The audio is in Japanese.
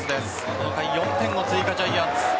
この回、４点を追加ジャイアンツ。